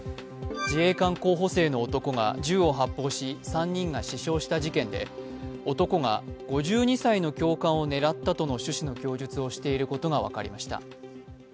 自衛官候補生の男が銃を発砲し３人が死傷した事件で男が５２歳の教官を狙ったとの趣旨の供述をしていることが分かりました。